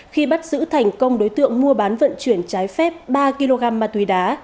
khi bắt giữ thành công đối tượng mua bán vận chuyển trái phép ba kg ma túy đá